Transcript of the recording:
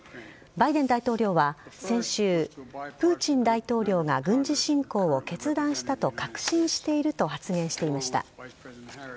バイデン大統領は先週、プーチン大統領が軍事侵攻を決断したと確信していると発言していました。